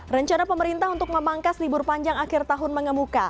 rencana pemerintah untuk memangkas libur panjang akhir tahun mengemuka